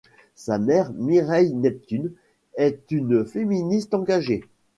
Sa mère Mireille Neptune est une féministe engagée.